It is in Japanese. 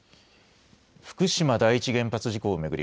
福島第一原発事故を巡り